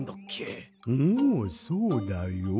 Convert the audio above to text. うんそうだよ。